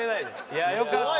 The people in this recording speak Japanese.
いやよかった。